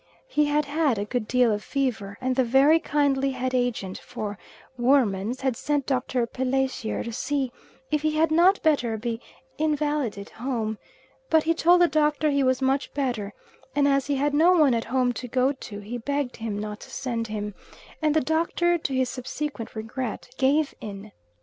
He had had a good deal of fever, and the very kindly head agent for Woermann's had sent Dr. Pelessier to see if he had not better be invalided home; but he told the Doctor he was much better, and as he had no one at home to go to he begged him not to send him, and the Doctor, to his subsequent regret, gave in.